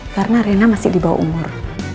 karena rena masih di bawah umur